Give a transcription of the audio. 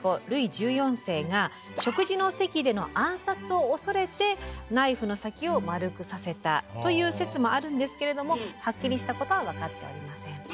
ルイ１４世が食事の席での暗殺をおそれてナイフの先を丸くさせたという説もあるんですけれどもはっきりしたことは分かっておりません。